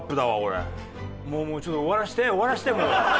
もうもうちょっと終わらせて終わらせてもう。